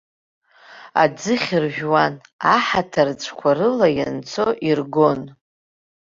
Аӡыхь ржәуан, аҳаҭа рҵәқәа рыла ианцо иргон.